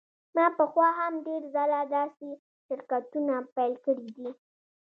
ما پخوا هم ډیر ځله داسې شرکتونه پیل کړي دي